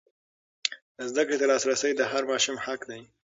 زده کړې ته لاسرسی د هر ماشوم حق دی.